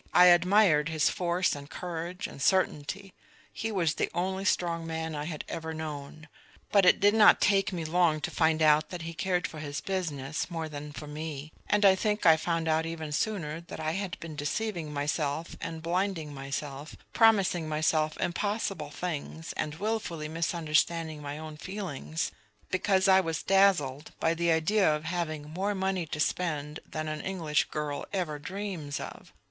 I admired his force and courage and certainty; he was the only strong man I had ever known. But it did not take me long to find out that he cared for his business more than for me, and I think I found out even sooner that I had been deceiving myself and blinding myself, promising myself impossible things and wilfully misunderstanding my own feelings, because I was dazzled by the idea of having more money to spend than an English girl ever dreams of.